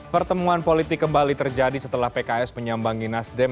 pertemuan politik kembali terjadi setelah pks menyambangi nasdem